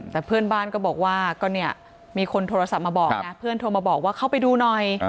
แต่เพื่อนบ้านก็บอกว่าก็เนี่ยมีคนโทรศัพท์มาบอกนะเพื่อนโทรมาบอกว่าเข้าไปดูหน่อย